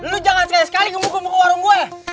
lu jangan sekali sekali gemuk gemuk ke warung gue